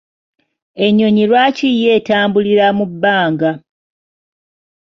Ennyonyi lwaki yo etambulira mu bbanga?